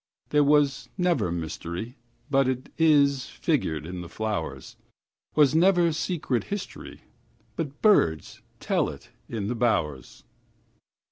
There was never mysteryBut 'tis figured in the flowers; SWas never secret historyBut birds tell it in the bowers.